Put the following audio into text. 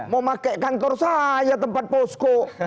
mau pakai kantor saya tempat posko